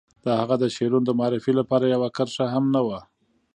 د هغه د شعرونو د معرفي لپاره يوه کرښه هم نه وه.